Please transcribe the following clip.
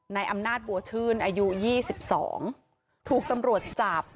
ในอำนาจบัวชื่นอายุ๒๒ถูกตำรวจจับ